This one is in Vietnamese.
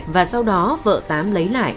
và sau đó vợ tám lấy lại